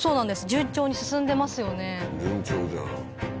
順調に進んでますよね。